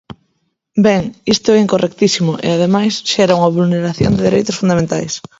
Ben, isto é incorrectísimo e, ademais, xera unha vulneración de dereitos fundamentais.